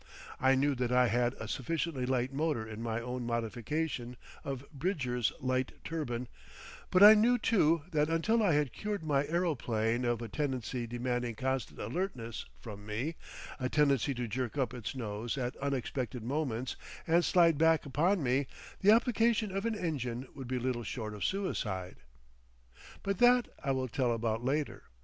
I knew that I had a sufficiently light motor in my own modification of Bridger's light turbine, but I knew too that until I had cured my aeroplane of a tendency demanding constant alertness from me, a tendency to jerk up its nose at unexpected moments and slide back upon me, the application of an engine would be little short of suicide. But that I will tell about later.